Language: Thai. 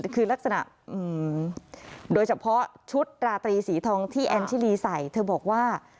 คือลักษณะโดยเฉพาะชุดราตรีสีทองที่แอนชิลีใส่เธอบอกว่า